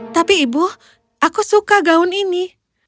tapi ibu aku suka gaun ini